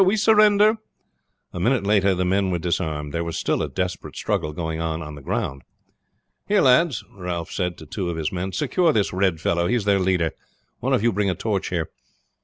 we surrender!" A minute later the men were disarmed. There was still a desperate struggle going on on the ground. "Here, lads," Ralph said to two of his men. "Secure this red fellow, he is their leader. One of you bring a torch here."